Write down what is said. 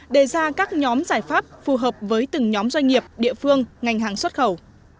đề ra các nhóm giải pháp phù hợp với từng nhóm doanh nghiệp địa phương ngành hàng xuất khẩu